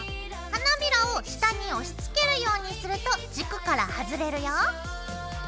花びらを下に押しつけるようにすると軸からはずれるよ。